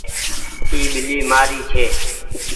اي ٻلي مآري ڇي۔